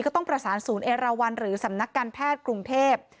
ก็ต้องประสานศูนย์เอราวันหรือสำนักการแพทย์กรุงเทพ